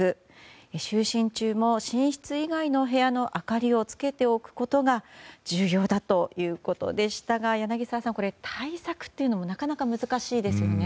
就寝中も寝室以外の部屋の明かりをつけておくことが重要だということでしたが柳澤さん、対策というのもなかなか難しいですよね。